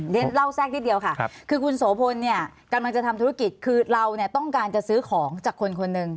เดี๋ยวเล่าแทรกนิดเดียวค่ะคือคุณโสพลเนี่ยกำลังจะทำธุรกิจคือเราเนี่ยต้องการจะซื้อของจากคนคนหนึ่ง